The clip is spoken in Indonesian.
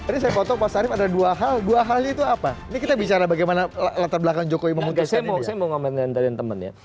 dengan dua hal arief sulkifit